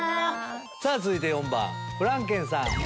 続いて４番フランケンさん。